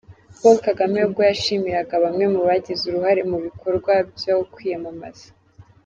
Paul Kagame ubwo yashimiraga bamwe mu bagize uruhare mu bikorwa byo kwiyamamaza.